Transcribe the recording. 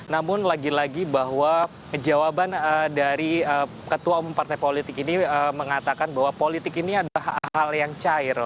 namun lagi lagi bahwa jawaban dari ketua umum partai politik ini mengatakan bahwa politik ini adalah hal yang cair